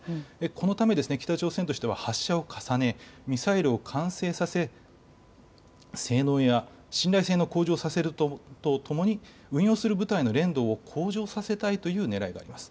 このため北朝鮮としては発射を重ね、ミサイルを完成させ、性能や信頼性の向上をさせるとともに運用する部隊の練度を向上させたいというねらいがあります。